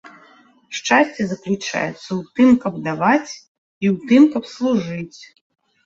Шчасце заключаецца ў тым, каб даваць, і ў тым, каб служыць.